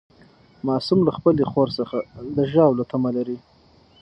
معصوم له خپلې خور څخه د ژاولو تمه لري.